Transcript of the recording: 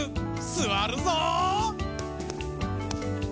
すわるぞう！